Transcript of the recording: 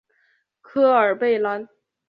科尔贝兰。